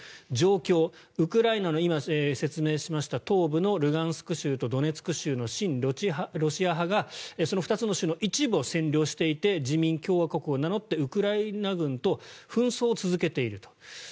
状況はウクライナの今、説明しました東部のルガンスク州とドネツク州の親ロシア派がその２つの州の一部を占領していて人民共和国を名乗ってウクライナ軍と紛争を続けていると。